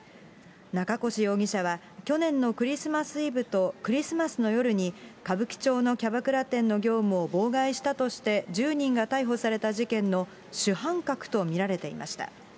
中越容疑者は去年のクリスマスイブとクリスマスの夜に、歌舞伎町のキャバクラ店の業務を妨害したとして１０人が逮捕された事件の主犯格と見られていました。